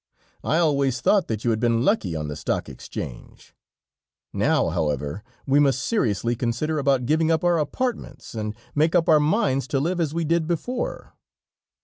I always thought that you had been lucky on the Stock Exchange. Now, however, we must seriously consider about giving up our apartments, and make up our minds to live as we did before."